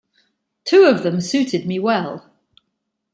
Two of them suited me well.